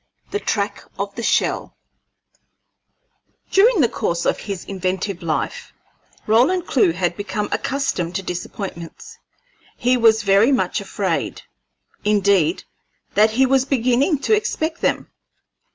THE TRACK OF THE SHELL During the course of his inventive life Roland Clewe had become accustomed to disappointments; he was very much afraid, indeed, that he was beginning to expect them.